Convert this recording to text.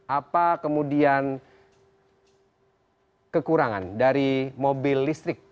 apa kemudian kekurangan dari mobil listrik